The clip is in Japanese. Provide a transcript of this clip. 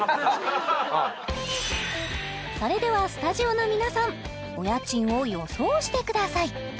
それではスタジオの皆さんお家賃を予想してください